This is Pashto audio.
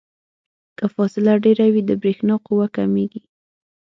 که فاصله ډیره وي د برېښنا قوه کمیږي.